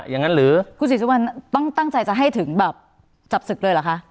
อย่างนั้นหรือกูทรีซิวันต้องตั้งใจจะให้ถึงแบบจับศึกละค่ะ